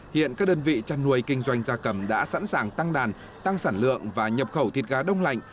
hiện các đơn vị chăn nuôi kinh doanh gia cầm đã sẵn sàng tăng đàn tăng sản lượng và nhập khẩu thịt gà đông lạnh